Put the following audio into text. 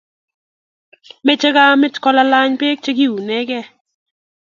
meche kamet kolalany beek chekiunegei